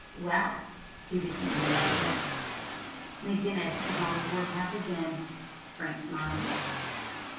"Well," he began wearily, "McGinnis is on the war path again." Frank smiled.